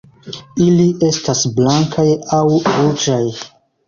Ili estas blankaj aŭ ruĝaj.